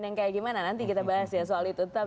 yang kayak gimana nanti kita bahas ya soal itu tetap